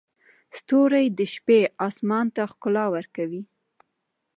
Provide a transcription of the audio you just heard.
ستوري د شپې اسمان ته ښکلا ورکوي.